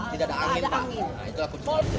tidak ada angin pak itu